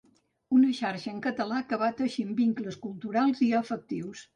Una xarxa en català que va teixint vincles culturals i afectius.